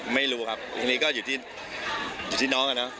ไม่รู้ครับทีนี้ก็อยู่ที่น้องอะเนาะ